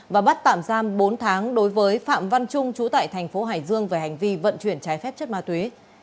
và bắt tạm giam bốn tháng đối với phạm văn trung trú tại thành phố hải dương về hành vi vận chuyển trái phép chất ma túy